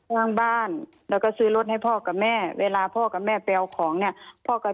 สร้างบ้านแล้วก็ซื้อรถให้พ่อกับแม่เวลาพ่อกับแม่ไปเอาของเนี่ยพ่อก็